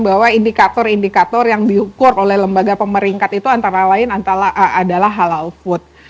bahwa indikator indikator yang diukur oleh lembaga pemeringkat itu antara lain adalah halal food